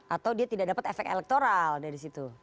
atau dia tidak dapat efek elektoral dari situ